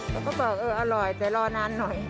เราก็บอกเอออร่อยแต่รอนานหน่อย